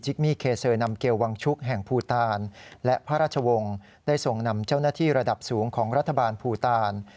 จิกมิเคเซอนำเกียววางชุกแห่งผู้ต่านและพระราชวงศ์ได้ส่งนำเจ้าหน้าที่ระดับสูงของรัฐบาลผู้ต่าน